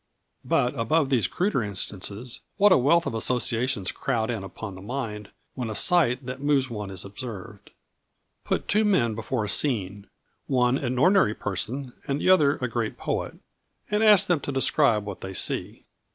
But above these cruder instances, what a wealth of associations crowd in upon the mind, when a sight that moves one is observed. Put two men before a scene, one an ordinary person and the other a great poet, and ask them to describe what they see.